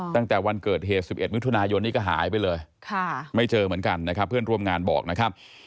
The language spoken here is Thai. ตั้งแต่วันเกิดเหตุ๑๑มิถุนายนนี้ก็หายไปเลยไม่เจอเหมือนกันนะครับเพื่อนร่วมงานบอกนะครับ